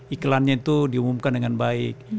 iklannya itu diumumkan dengan baik